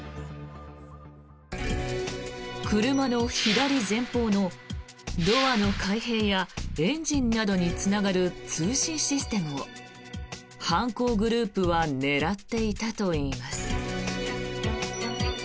車の左前方の、ドアの開閉やエンジンなどにつながる通信システムを犯行グループは狙っていたといいます。